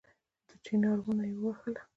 د چينار ونه يې ووهله